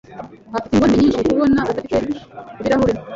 Afite ingorane nyinshi kubona adafite ibirahure.